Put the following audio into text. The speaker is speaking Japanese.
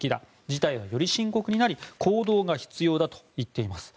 事態はより深刻になり行動が必要だと言っています。